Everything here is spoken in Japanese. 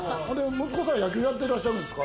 息子さん野球やってはってらっしゃるんですか？